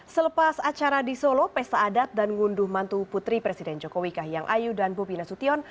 selepas acara di solo pesta adat dan ngunduh mantu putri presiden jokowi kahiyang ayu dan bobi nasution